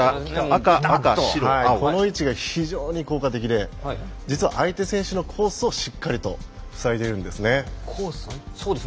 この位置が非常に効果的で実は相手選手のコースをしっかりとふさいでいるんです。